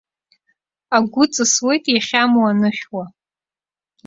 Агәы ҵысуеит иахьамоу анышә уа.